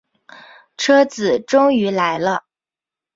车子终于来了